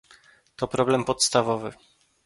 To problem podstawowy